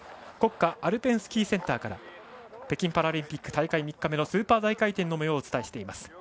国家アルペンスキーセンターから北京パラリンピック大会３日目のスーパー大回転のもようをお伝えしています。